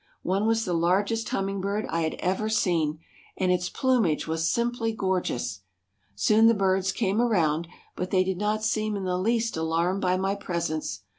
One was the largest hummingbird I had ever seen, and its plumage was simply gorgeous. Soon the birds came around, but they did not seem in the least alarmed by my presence.